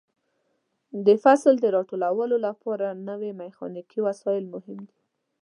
د فصل د راټولولو لپاره نوې میخانیکي وسایل مهم دي.